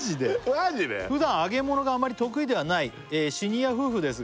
「普段揚げ物があまり得意ではないシニア夫婦ですが」